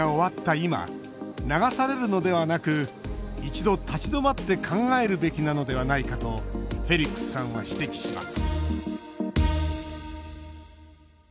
今流されるのではなく一度、立ち止まって考えるべきなのではないかとフェリックスさんは指摘します